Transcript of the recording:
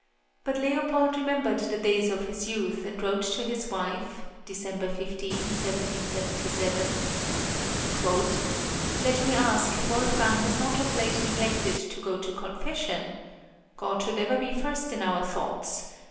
But Leopold remembered the days of his youth, and wrote to his wife (December 15, 1777): "Let me ask, if Wolfgang has not of late neglected to go to confession? God should ever be first in our thoughts!